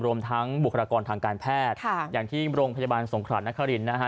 รวมทั้งบุคลากรทางการแพทย์อย่างที่โรงพยาบาลสงครานนครินนะฮะ